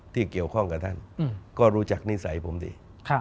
ที่เกี่ยวข้องกับท่านก็รู้จักนิสัยผมดี